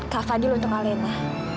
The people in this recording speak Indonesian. kak fadil untuk alena